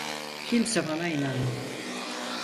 Kimse bana inanmadı.